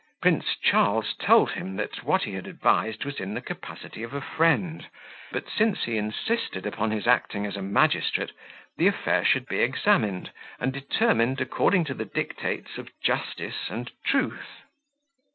Prince Charles told him, that what he had advised was in the capacity of a friend; but, since he insisted upon his acting as a magistrate, the affair should be examined, and determined according to the dictates of justice and truth.